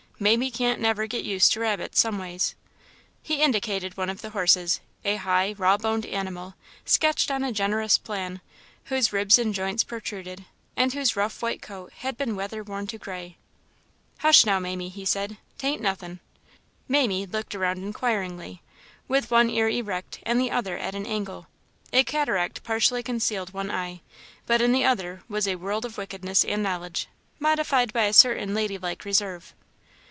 Mamie can't never get used to rabbits, someways." He indicated one of the horses a high, raw boned animal, sketched on a generous plan, whose ribs and joints protruded, and whose rough white coat had been weather worn to grey. "Hush now, Mamie," he said; "'taint nothin'." "Mamie" looked around inquiringly, with one ear erect and the other at an angle. A cataract partially concealed one eye, but in the other was a world of wickedness and knowledge, modified by a certain lady like reserve.